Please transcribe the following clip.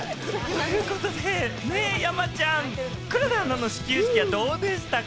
ということで山ちゃん、黒田アナの始球式はどうでしたか？